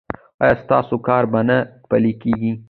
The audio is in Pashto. ایا ستاسو کار به نه پیلیږي؟